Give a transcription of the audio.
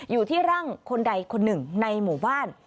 อยู่ที่ร่างคนใดคนหนึ่งในหมู่บ้าน